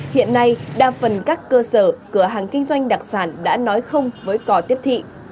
hiện nay đa phần các cơ sở cửa hàng kinh doanh đặc sản đã nói không với cò tiếp thị